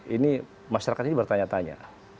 ini masyarakat ini bertanya tanya